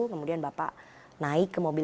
kemudian bapak naik ke mobil